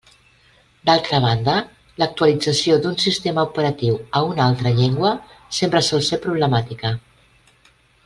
D'altra banda, l'actualització d'un sistema operatiu a una altra llengua sempre sol ser problemàtica.